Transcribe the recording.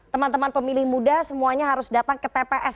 teman teman pemilih muda semuanya harus datang ke tps